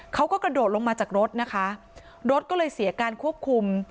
เขาก็กระโดดลงมาจากรถนะคะรถก็เลยเสียการควบคุม